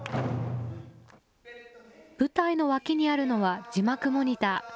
舞台の脇にあるのは字幕モニター。